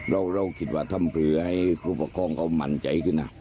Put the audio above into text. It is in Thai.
เราคิดว่าทำเพื่อให้ผู้ปกครองเขามั่นใจขึ้นนะ